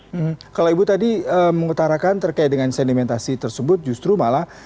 hmm kalau ibu tadi mengutarakan terkait dengan sedimentasi tersebut justru malah